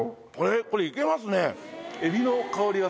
これ、いけますね。